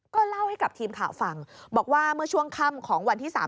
ก็เล่าให้กับทีมข่าวฟังบอกว่าเมื่อช่วงค่ำของวันที่๓